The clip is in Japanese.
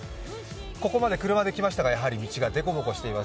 ここまで車で来ましたが、やはり道がでこぼこしています。